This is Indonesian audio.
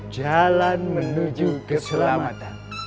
jalan menuju keselamatan